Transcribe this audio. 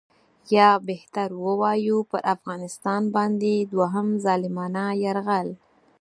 یا بهتر ووایو پر افغانستان باندې دوهم ظالمانه یرغل.